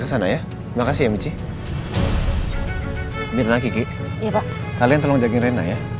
terima kasih lagi ki kalian tolong jagain rena ya